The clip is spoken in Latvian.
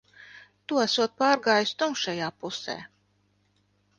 Tu esot pārgājis tumšajā pusē.